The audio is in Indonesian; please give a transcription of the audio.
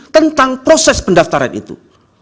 tentang proses pendaftaran itu